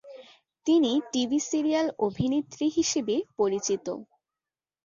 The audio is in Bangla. তিনি টিভি সিরিয়াল অভিনেত্রী হিসাবে পরিচিত।